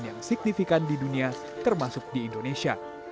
yang signifikan di dunia termasuk di indonesia